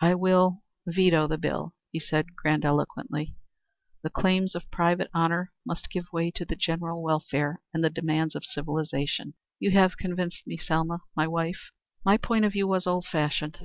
"I will veto the bill," he said, grandiloquently. "The claims of private honor must give way to the general welfare, and the demands of civilization. You have convinced me, Selma my wife. My point of view was old fashioned.